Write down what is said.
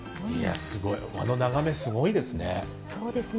あの眺めすごいですね。